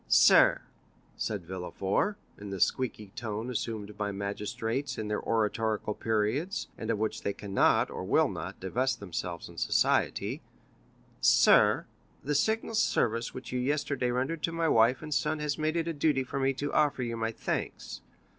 "Sir," said Villefort, in the squeaky tone assumed by magistrates in their oratorical periods, and of which they cannot, or will not, divest themselves in society, "sir, the signal service which you yesterday rendered to my wife and son has made it a duty for me to offer you my thanks.